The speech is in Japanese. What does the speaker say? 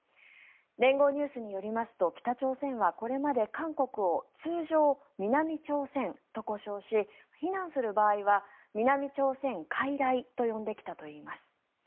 連合ニュースによりますと北朝鮮はこれまで韓国を通常、南朝鮮と呼称し非難する場合は南朝鮮かいらいと呼んできたといいます。